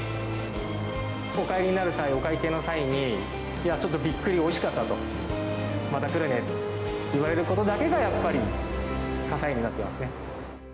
お帰りになる際、お会計の際に、いやー、ちょっとびっくり、おいしかったと、また来るねって言われることだけが、やっぱり支えになってますね。